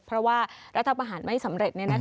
เพราะว่ารัฐประหารไม่สำเร็จ